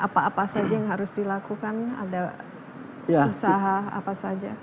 apa apa saja yang harus dilakukan ada usaha apa saja